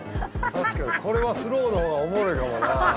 確かにこれはスローの方がおもろいかもな。